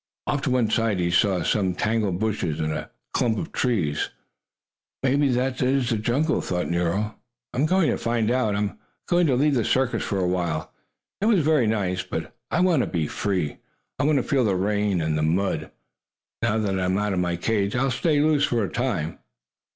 Off to one side he saw some tangled bushes and a clump of trees. "Maybe that is the jungle!" thought Nero. "I'm going to find out. I'm going to leave the circus for a while. It was very nice, but I want to be free. I want to feel the rain and the mud. Now that I am out of my cage I'll stay loose for a time!"